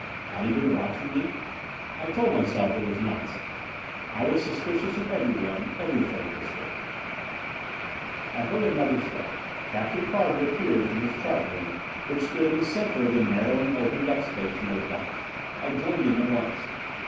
Had he been watching me? I told myself it was nonsense. I was suspicious of everyone, everything, this voyage. I heard another step. Captain Carter appeared from his chart room which stood in the center of the narrowing open deck space near the bow. I joined him at once.